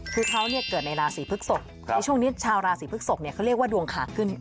คือเขาเกิดในราศีพฤกษกในช่วงนี้ชาวราศีพฤกษกเขาเรียกว่าดวงขาขึ้น